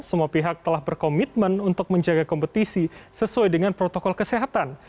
semua pihak telah berkomitmen untuk menjaga kompetisi sesuai dengan protokol kesehatan